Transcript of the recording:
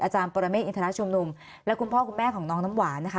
ปรเมฆอินทรชุมนุมและคุณพ่อคุณแม่ของน้องน้ำหวานนะคะ